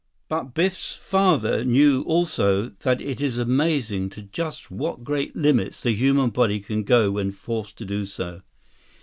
But Biff's father knew also that it is amazing to just what great limits the human body can go when forced to do so.